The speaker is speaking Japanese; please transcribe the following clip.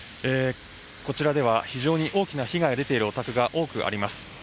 こちらでは非常に大きな被害が出ているお宅が多くあります